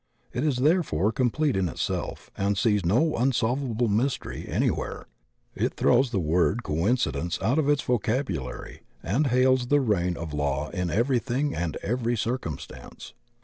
It is therefore complete in itself and sees no unsolvable mystery anywhere; it throws the word coincidence out of its vocabulary and hails the reign of law in everything and every circumstance.